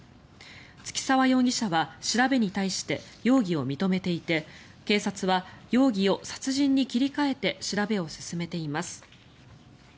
月澤容疑者は調べに対して容疑を認めていて警察は容疑を殺人に切り替えて調べを進めています。